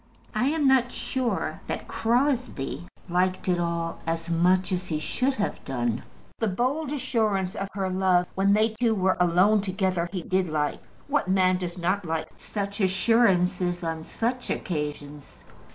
I am not sure that Crosbie liked it all as much as he should have done. The bold assurance of her love when they two were alone together he did like. What man does not like such assurances on such occasions?